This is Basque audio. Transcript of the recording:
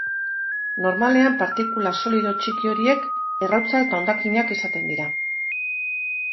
Normalean partikula solido txiki horiek errautsa eta hondakinak izaten dira.